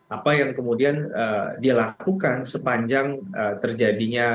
apa yang kemudian dilakukan sepanjang terjadinya